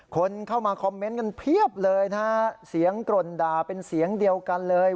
คนเข้ามาคอมเมนต์กันเพียบเลยนะฮะเสียงกร่นด่าเป็นเสียงเดียวกันเลย